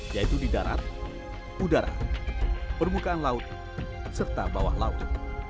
yaitu di darat udara permukaan laut serta bawah laut